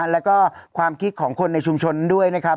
แล้วก็ความคิดของคนในชุมชนด้วยนะครับ